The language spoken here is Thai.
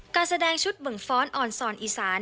การแสดงชุดบึงฟ้อนออนซอนอีสาน